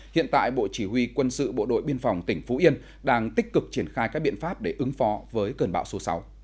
hiện tại bộ chỉ huy quân sự bộ đội biên phòng tỉnh phú yên đang tích cực triển khai các biện pháp để ứng phó với cơn bão số sáu